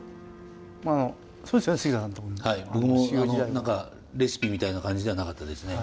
僕も何かレシピみたいな感じじゃなかったですね。